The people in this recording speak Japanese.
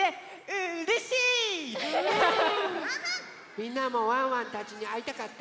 みんなもワンワンたちにあいたかった？